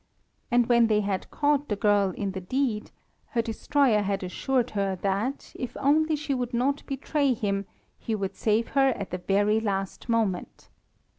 And when they had caught the girl in the deed her destroyer had assured her that, if only she would not betray him, he would save her at the very last moment.